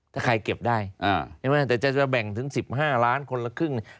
ถ้าใครเก็บได้ใช่ไหมแต่จะแบ่งถึง๑๕ล้านคนละครึ่ง